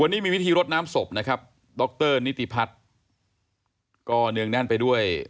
วันนี้มีพิธีรดน้ำศพนะครับดรนิติพัฒน์ก็เนืองแน่นไปด้วย